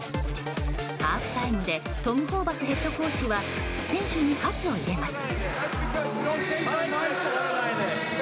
ハーフタイムでトム・ホーバスヘッドコーチは選手に活を入れます。